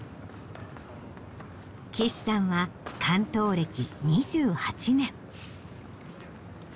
貴志さんは竿燈歴２８年。